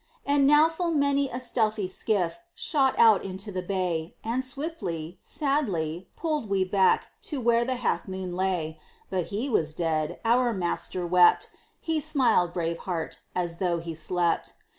And now full many a stealthy skiff Shot out into the bay; And swiftly, sadly, pulled we back To where the Half Moon lay; But he was dead our master wept He smiled, brave heart, as though he slept.